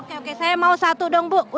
oke saya mau satu dong bu